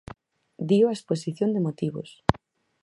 Dío a exposición de motivos.